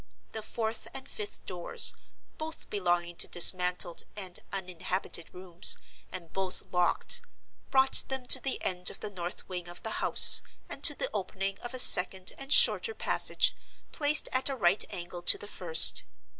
The fourth and fifth doors—both belonging to dismantled and uninhabited rooms, and both locked brought them to the end of the north wing of the house, and to the opening of a second and shorter passage, placed at a right angle to the first.